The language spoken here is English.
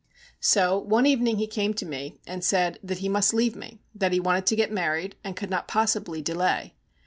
So one evening he came to me and said that he must leave me that he wanted to get married, and could not possibly delay.